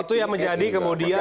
itu yang menjadi kemudian